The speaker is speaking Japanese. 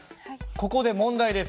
ここで問題です。